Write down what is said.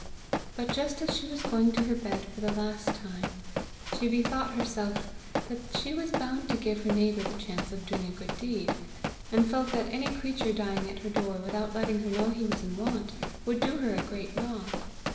But just as she was going to her bed for the last time, she bethought herself that she was bound to give her neighbour the chance of doing a good deed: and felt that any creature dying at her door without letting her know he was in want, would do her a great wrong.